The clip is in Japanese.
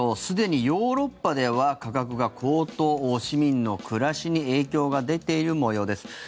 すでにヨーロッパでは価格が高騰市民の暮らしに影響が出ている模様です。